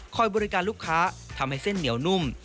บริการลูกค้าทำให้เส้นเหนียวนุ่ม